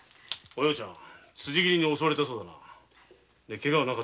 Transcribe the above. お葉ちゃん辻斬りに襲われたそうだな。